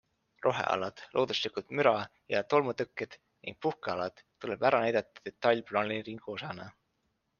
Rohealad, looduslikud müra- ja tolmutõkked ning puhkealad tuleb ära näidata detailplaneeringu osana.